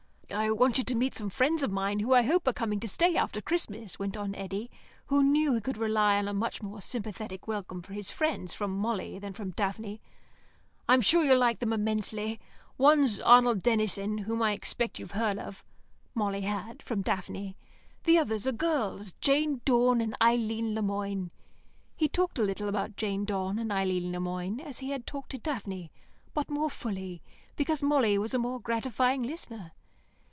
"I want you to meet some friends of mine who I hope are coming to stay after Christmas," went on Eddy, who knew he could rely on a much more sympathetic welcome for his friends from Molly than from Daphne. "I'm sure you'll like them immensely. One's Arnold Denison, whom I expect you've heard of." (Molly had, from Daphne.) "The others are girls Jane Dawn and Eileen Le Moine." He talked a little about Jane Dawn and Eileen Le Moine, as he had talked to Daphne, but more fully, because Molly was a more gratifying listener.